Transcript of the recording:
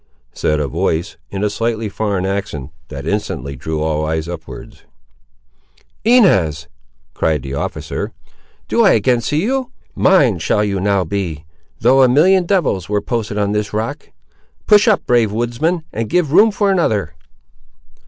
said a voice, in a slightly foreign accent, that instantly drew all eyes upward. "Inez!" cried the officer, "do I again see you! mine shall you now be, though a million devils were posted on this rock. Push up, brave woodsman, and give room for another!"